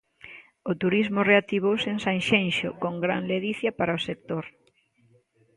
O turismo reactivouse en Sanxenxo, con gran ledicia para o sector.